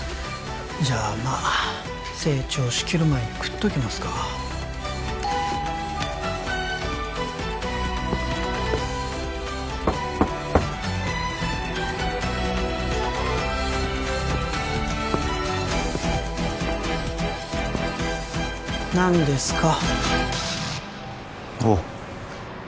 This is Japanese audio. じゃあまあ成長しきる前に喰っときますか何ですか？